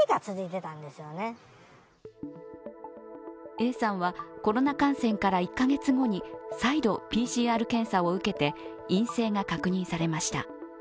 Ａさんはコロナ感染から１カ月後に再度ＰＣＲ検査を受けて陰性が確認されました。